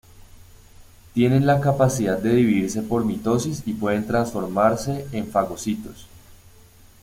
Tienen la capacidad de dividirse por mitosis y pueden transformarse en fagocitos.